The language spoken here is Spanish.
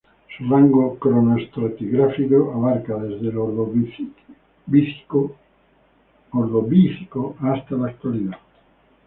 Su rango cronoestratigráfico abarca desde el Ordovícico hasta la actualidad.